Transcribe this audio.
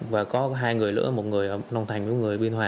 và có hai người nữa một người ở long thành một người ở biên hòa